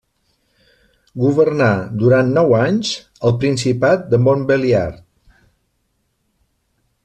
Governà durant nou anys el principat de Montbéliard.